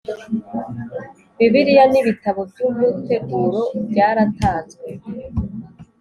Bibiliya n ibitabo by umuteguro byaratanzwe